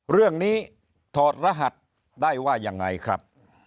เรื่องนี้ถอดรหัสได้ว่ายังไงครับ